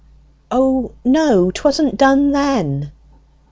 "O no, 'twasn't done then."